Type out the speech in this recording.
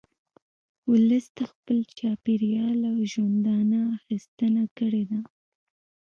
ولس د خپل چاپېریال او ژونده اخیستنه کړې ده